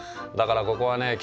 だからここはね